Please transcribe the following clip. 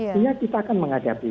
sebenarnya kita akan menghadapi